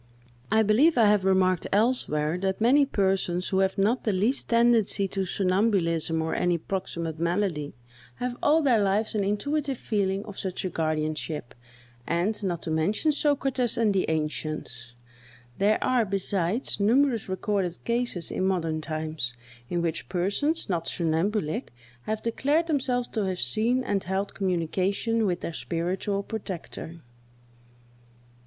I believe I have remarked elsewhere, that many persons, who have not the least tendency to somnambulism or any proximate malady, have all their lives an intuitive feeling of such a guardianship; and, not to mention Socrates and the ancients, there are, besides, numerous recorded cases in modern times, in which persons, not somnambulic, have declared themselves to have seen and held communication with their spiritual protector.